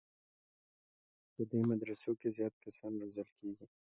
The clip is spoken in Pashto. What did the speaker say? په دې مدرسو کې زیات کسان روزل کېږي.